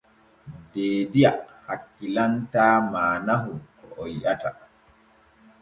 Deediya hakkilantaa maanaho ko o yi’ata.